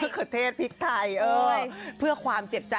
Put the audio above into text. กินไปเลย